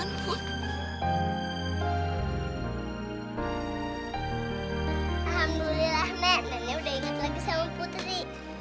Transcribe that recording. alhamdulillah nek nenek udah inget lagi sama putri